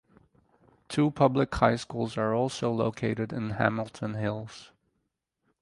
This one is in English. Two public high schools are also located in Hamilton Hills.